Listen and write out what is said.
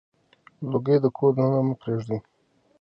لوګي د کور دننه مه پرېږدئ.